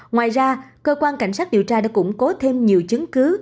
ngoài ra cơ quan cảnh sát điều tra đã củng cố thêm nhiều chứng cứ